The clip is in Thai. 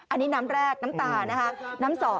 อันนี้น้ำแรกน้ำตานะคะ